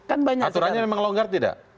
aturannya memang longgar tidak